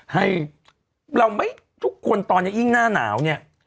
ให้เราไม่ทุกคนตอนนี้ยิ่งหน้าหนาวเนี่ย